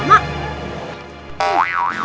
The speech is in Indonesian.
anda pegang dulu ya bolunya